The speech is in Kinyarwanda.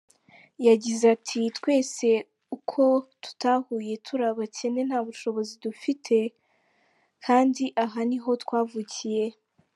Yagize ati : “Twese uko tuhatuye turi abakene, nta bushobozi dufite kandi aha niho twavukiye.